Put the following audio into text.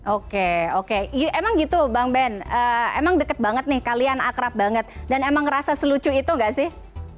oke oke emang gitu bang ben emang deket banget nih kalian akrab banget dan emang ngerasa selucu itu gak sih